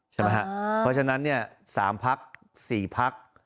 ใช่ไหมครับเพราะฉะนั้นเนี่ย๓พัก๔พัก